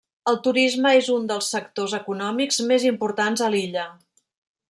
El turisme és un dels sectors econòmics més importants a l'illa.